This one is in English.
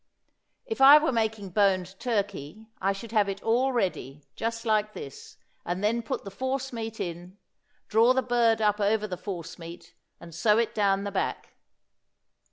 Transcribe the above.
If I were making boned turkey I should have it all ready, just like this, and then put the force meat in, draw the bird up over the force meat, and sew it down the back.